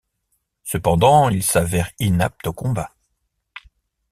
Cependant il s'avère inapte au combat.